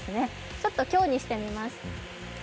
ちょっと強にしてみます。